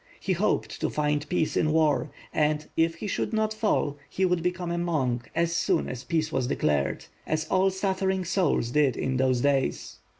He hoped to find peace in the war, and, if he should not fall, he would become a monk as soon as peace was declared; as all suffering souls did in those days.